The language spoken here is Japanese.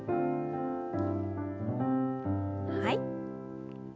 はい。